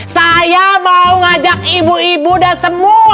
saya mau ngajak ibu ibu dan semua warga saya